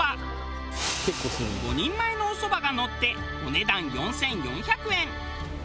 ５人前のおそばがのってお値段４４００円。